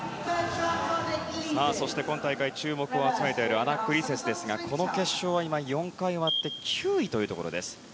そして今大会注目を集めているアナックリセスですがこの決勝は今、４回終わって９位というところ。